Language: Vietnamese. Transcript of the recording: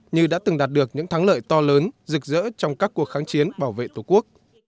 như đã từng đạt được những thắng lợi to lớn rực rỡ trong các cuộc kháng chiến bảo vệ tổ quốc